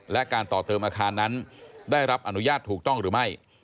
และการต่อเติมอาคารนั้นได้รับอนุญาตถูกต้องหรือไม่